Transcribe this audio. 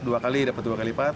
dua kali dapat dua kali lipat